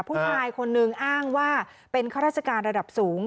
ผู้ชายคนนึงอ้างว่าเป็นข้าราชการระดับสูง